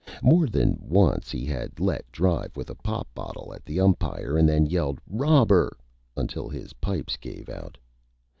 More than once he had let drive with a Pop Bottle at the Umpire and then yelled "Robber" until his Pipes gave out.